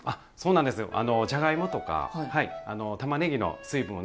じゃがいもとかたまねぎの水分をね